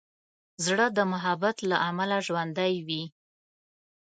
زړه د محبت له امله ژوندی وي.